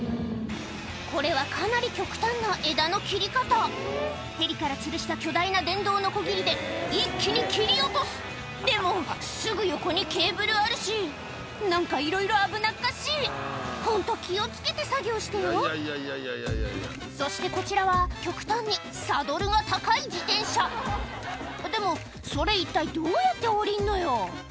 これはかなり極端な枝の切り方ヘリからつるした巨大な電動のこぎりで一気に切り落とすでもすぐ横にケーブルあるし何かいろいろ危なっかしいホント気を付けて作業してよそしてこちらは極端にサドルが高い自転車でもそれ一体どうやって降りんのよ？